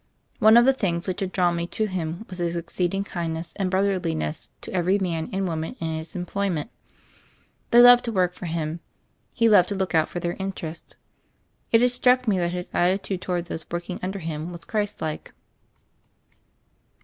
One of the things which had drawn me to him was his exceeding kindness and broth erliness to every man and woman in his employ ment. They loved to work for him; he loved to look out for their interests. It had struck me that his attitude toward those working under him was Christ like.